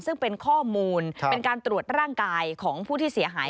ซึ่งเป็นข้อมูลเป็นการตรวจร่างกายของผู้ที่เสียหาย